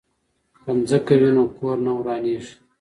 که ځمکه وي نو کور نه ورانیږي.